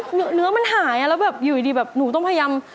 เนื้อมันหายแล้วแบบอยู่ดีแบบหนูต้องพยายาม